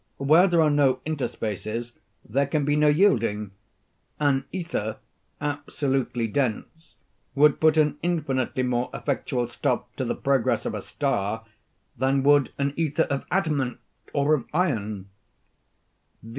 Where there are no interspaces, there can be no yielding. An ether, absolutely dense, would put an infinitely more effectual stop to the progress of a star than would an ether of adamant or of iron.